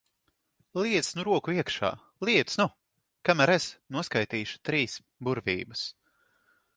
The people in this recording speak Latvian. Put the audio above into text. Liec nu roku iekšā, liec nu! Kamēr es noskaitīšu trīs burvības.